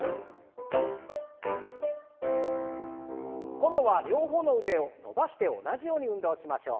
今度は両方の腕を伸ばして同じように運動をしましょう。